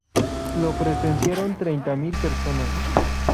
Lo presenciaron treinta mil personas.